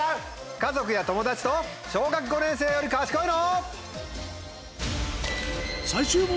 家族や友達と『小学５年生より賢いの？』。